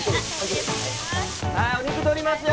はいお肉取りますよ！